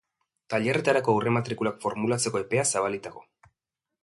Tailerretarako aurrematrikulak formulatzeko epea zabalik dago.